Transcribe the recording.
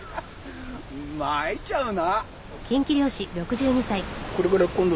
まいっちゃうな。